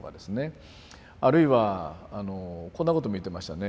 あるいはこんなことも言ってましたね。